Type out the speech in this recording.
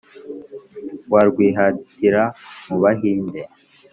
Wa rwitahira mu Bahinde,